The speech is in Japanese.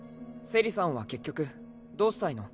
セリさんは結局どうしたいの？